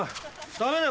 ダメだよ